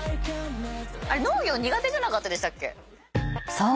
［そう！